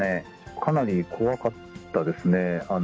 かなり怖かったですね。